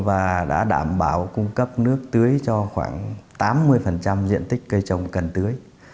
và đã đảm bảo cung cấp nước tưới cho khoảng tám mươi diện tích cây trồng cần tưới